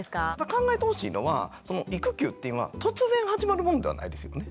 考えてほしいのは育休っていうのは突然始まるものではないですよね。